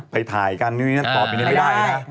ไปถ่ายกันตอบไม่ได้